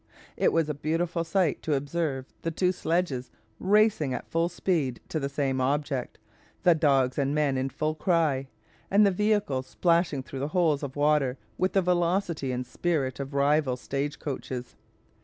It was a beautiful sight to observe the two sledges racing at full speed to the same object, the dogs and men in full cry, and the vehicles splashing through the holes of water with the velocity and spirit of rival stage coaches.